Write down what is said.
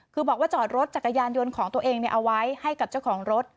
คือบอกว่าจอดรถจักรยานยนต์ของตัวเองเอาไว้ให้กับเจ้าของรถ